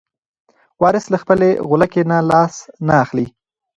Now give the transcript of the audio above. وارث له خپلې غولکې نه لاس نه اخلي.